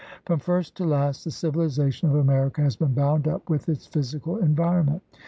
From first to last the civilization of America has been bound up with its physical environment.